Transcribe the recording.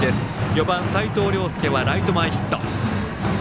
４番、齋藤綾介はライト前ヒット。